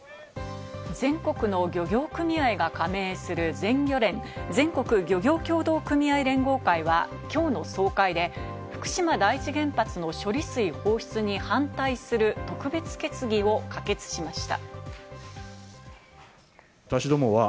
全国の漁業組合が加盟する全漁連＝全国漁業協同組合連合会は、きょうの総会で福島第一原発の処理水放出に反対する特別決議を可決しました。